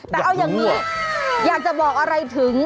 แต่เอาอย่างนี้อยากจะบอกอะไรถึง